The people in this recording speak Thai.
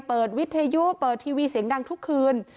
วิทยุเปิดทีวีเสียงดังทุกคืน